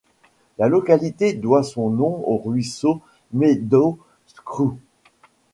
La localité doit son nom au ruisseau Meadow Creek.